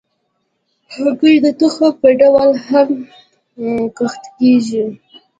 هګۍ د تخم په ډول هم کښت کېږي.